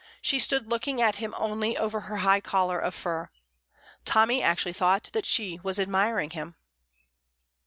She stood looking at him only over her high collar of fur. Tommy actually thought that she was admiring him.